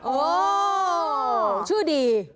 โอ้ชื่อดี